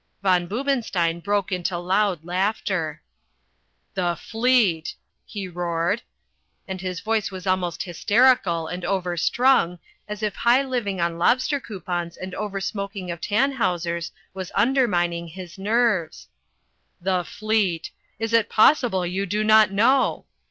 Von Boobenstein broke into loud laughter. "The fleet!" he roared, and his voice was almost hysterical and overstrung, as if high living on lobster coupons and over smoking of Tannhausers was undermining his nerves. "The fleet! Is it possible you do not know?